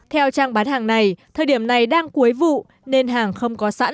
theo trang bán hàng này thời điểm này đang cuối vụ nên hàng không có sẵn